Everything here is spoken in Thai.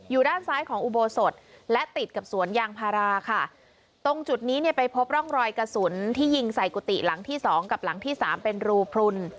ด้านซ้ายของอุโบสถและติดกับสวนยางพาราค่ะตรงจุดนี้เนี่ยไปพบร่องรอยกระสุนที่ยิงใส่กุฏิหลังที่สองกับหลังที่สามเป็นรูพลุน